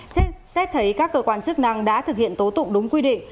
trên xét thấy các cơ quan chức năng đã thực hiện tố tụng đúng quy định